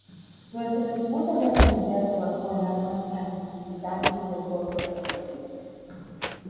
Durante la Segunda Guerra Mundial trabajó en armas anti-tanque y el costo explosivos.